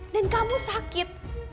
dan kamu sakit